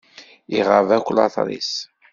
Iɣab akk later-is.